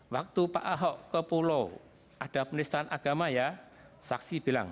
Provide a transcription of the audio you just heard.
waktu pak ahok ke pulau ada penistaan agama ya saksi bilang